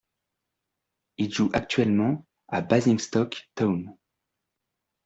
Il joue actuellement à Basingstoke Town.